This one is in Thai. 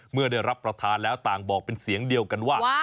เมื่อได้รับประทานแล้วต่างบอกเป็นเสียงเดียวกันว่า